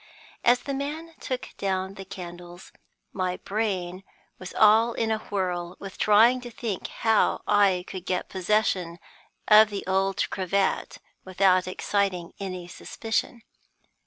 As the man took down the candles, my brain was all in a whirl with trying to think how I could get possession of the old cravat without exciting any suspicion.